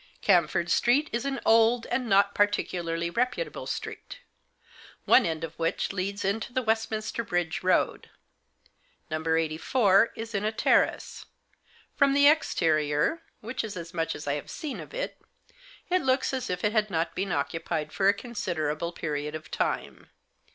Camford Street is an old, and not particularly reputable street, one end of which leads into the Westminster Bridge Road. No. 84 is in a terrace. From the exterior — which is as much as I have seen of it — it looks as if it had not been occupied for a considerable period of time.